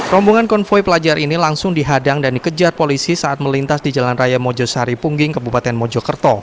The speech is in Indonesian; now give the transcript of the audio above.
rombongan konvoy pelajar ini langsung dihadang dan dikejar polisi saat melintas di jalan raya mojosari pungging kebupaten mojokerto